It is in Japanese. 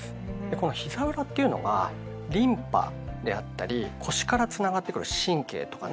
このひざ裏っていうのがリンパであったり腰からつながってくる神経とかね